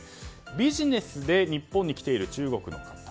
ビジネスで日本に来ている中国の方。